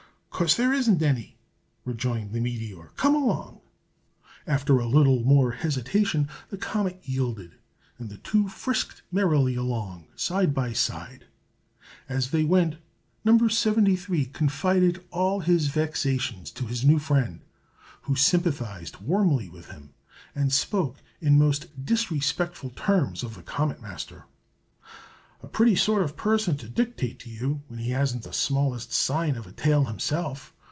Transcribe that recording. "'Cause there isn't any!" rejoined the meteor. "Come along!" After a little more hesitation, the comet yielded, and the two frisked merrily along, side by side. As they went, No. 73 confided all his vexations to his new friend, who sympathized warmly with him, and spoke in most disrespectful terms of the Comet Master. "A pretty sort of person to dictate to you, when he hasn't the smallest sign of a tail himself!